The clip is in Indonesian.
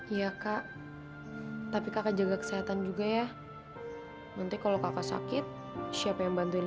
iya kak tapi kakak jaga kesehatan juga ya nanti kalau kakak sakit siapa yang bantuin